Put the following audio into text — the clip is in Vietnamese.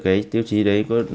cái tiêu chí đấy